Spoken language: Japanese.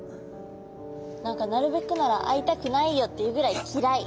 何かなるべくなら会いたくないよっていうぐらいきらい。